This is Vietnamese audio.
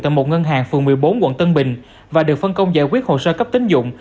tại một ngân hàng phường một mươi bốn quận tân bình và được phân công giải quyết hồ sơ cấp tính dụng